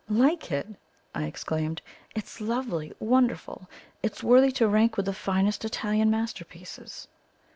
"Like it!" I exclaimed. "It is lovely wonderful! It is worthy to rank with the finest Italian masterpieces."